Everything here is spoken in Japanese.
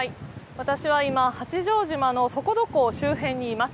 私は今、八丈島の底土港周辺にいます。